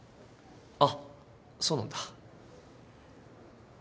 あっそうなんだ。